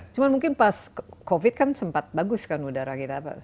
cuma mungkin pas covid kan sempat bagus kan udara kita